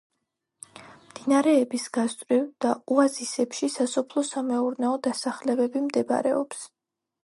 მდინარეების გასწვრივ და ოაზისებში, სასოფლო-სამეურნეო დასახლებები მდებარეობს.